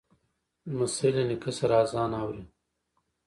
لمسی له نیکه سره آذان اوري.